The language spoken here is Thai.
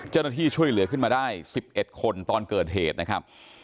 เจ็บนะที่ช่วยเหลือขึ้นมาได้สิบเอ็ดคนตอนเกิดเหตุนะครับ